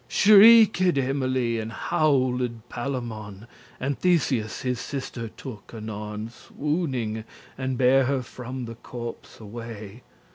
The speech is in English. Shriek'd Emily, and howled Palamon, And Theseus his sister took anon Swooning, and bare her from the corpse away.